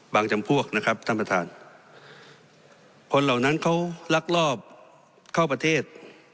จำพวกนะครับท่านประธานคนเหล่านั้นเขาลักลอบเข้าประเทศ